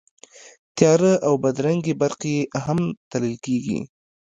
تیاره او بدرنګې برخې یې هم تلل کېږي.